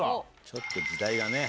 ちょっと時代がね。